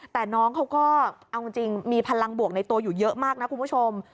แต่น้องเขาก็เอาจริงมีพลังบวกในตัวอยู่เยอะมากนะคุณผู้ชม